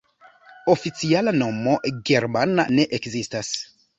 Oficiala nomo germana ne ekzistas.